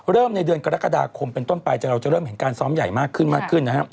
เริ่มในเดือนกรกฎาคมเป็นต้นไปเราจะเริ่มเห็นการซ้อมใหญ่มากขึ้น